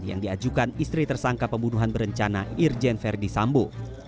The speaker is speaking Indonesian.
yang diajukan istri tersangka pembunuhan berencana irjen verdi sambo